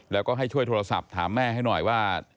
แล้วก็ให้ช่วยโทรศัพท์ถามแม่ให้หน่อยว่า